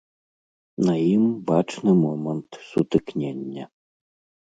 На ім бачны момант сутыкнення.